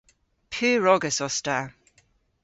Pur ogas os ta.